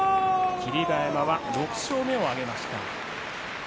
霧馬山は６勝目を挙げました。